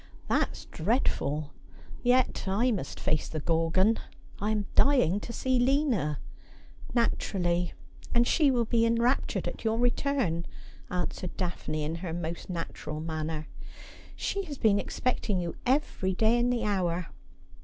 ' That's dreadful. Yet I must face the gorgon. I am dying to see Lina.' ' Naturally ; and she will be enraptured at your return,' answered Daphne in her most natural manner. ' iShe has been expecting you every day i' the hour.'